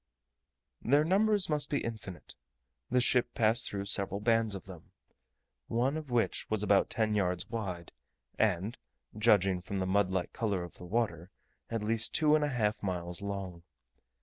Their numbers must be infinite: the ship passed through several bands of them, one of which was about ten yards wide, and, judging from the mud like colour of the water, at least two and a half miles long.